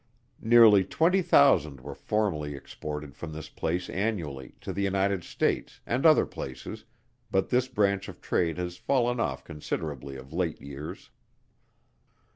Nearly twenty thousand were formerly exported from this place annually, to the United States, and other places, but this branch of trade has fallen off considerably of late years.